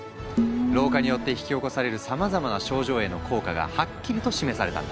老化によって引き起こされるさまざまな症状への効果がはっきりと示されたんだ。